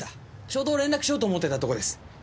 ちょうど連絡しようと思ってたとこです。